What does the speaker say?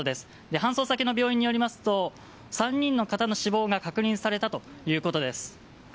搬送先の病院によりますと３人の方の死亡が確認されたということです。